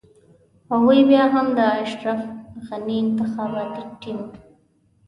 هغوی بيا هم د اشرف غني انتخاباتي ټيم.